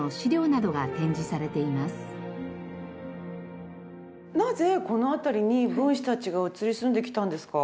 なぜこの辺りに文士たちが移り住んできたんですか？